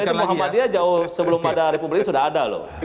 saya pikir itu muhammadiyah jauh sebelum ada republik ini sudah ada loh